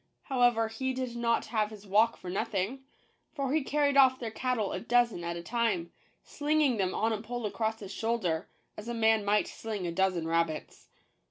However, he did not have his walk for nothing, for he carried off their cattle a dozen at a time, slinging them on a pole across his shoulder, as a man might sling a dozen rabbits.